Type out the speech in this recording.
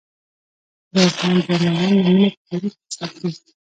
د افغان جنرالانو نومونه په تاریخ کې ثبت دي.